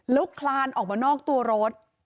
แล้วคลานออกมานอกตัวรถ